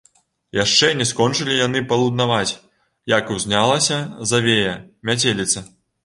Яшчэ не скончылі яны палуднаваць, як узнялася завея, мяцеліца.